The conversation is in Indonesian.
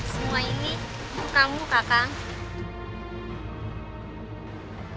semua ini kamu kakak